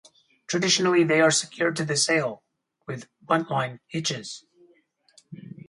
Traditionally they are secured to the sail with buntline hitches.